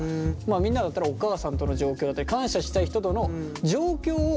みんなだったらお母さんとの状況だったり感謝したい人の状況を。